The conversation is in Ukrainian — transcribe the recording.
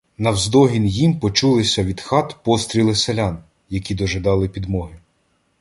Навздогін їм почулися від хат постріли селян, які дожидали підмоги.